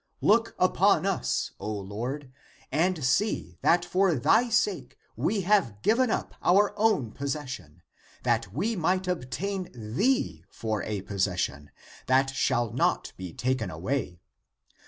^^ Look upon us, O Lord (and see) that for thy sake we have given up our own possession, that we might obtain thee for a possession that shall not be taken away.